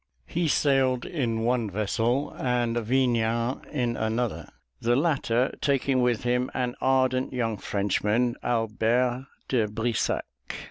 He sailed in one vessel, and Vignan in another, the latter taking with him an ardent young Frenchman, Albert de Brissac.